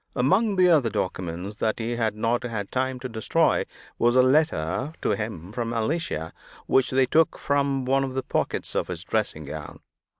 Among the other documents that he had not had time to destroy, was a letter to him from Alicia, which they took from one of the pockets of his dressing gown.